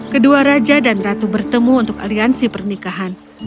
kedua raja dan ratu bertemu untuk aliansi pernikahan